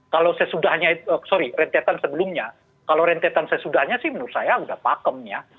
kalau sesudahnya itu sorry rentetan sebelumnya kalau rentetan sesudahnya sih menurut saya sudah pakem ya